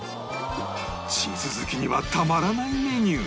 チーズ好きにはたまらないメニュー